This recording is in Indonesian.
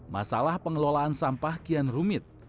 masalah pengelolaan sampah kian rumit